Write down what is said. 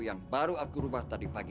yang baru aku rubah tadi pagi